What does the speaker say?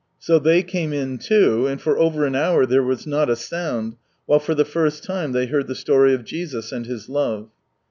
So ihey came in too, and for over an hour there was not a sound, while for the first time they heard the story of Jesus and His love.